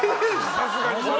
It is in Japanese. さすがにそれは。